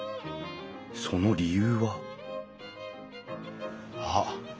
その理由は？あっ！